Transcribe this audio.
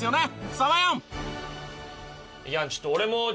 サワヤン。